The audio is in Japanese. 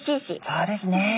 そうですね。